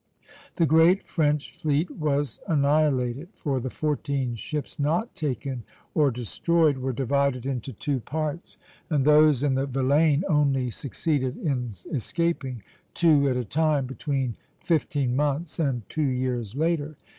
The great French fleet was annihilated; for the fourteen ships not taken or destroyed were divided into two parts, and those in the Vilaine only succeeded in escaping, two at a time, between fifteen months and two years later.